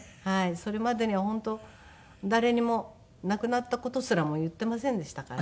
それまでには本当誰にも亡くなった事すらも言っていませんでしたから。